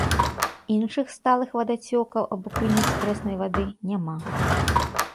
Іншых сталых вадацёкаў або крыніц прэснай вады няма.